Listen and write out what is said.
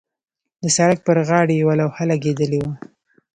د سړک پر غاړې یوه لوحه لګېدلې وه.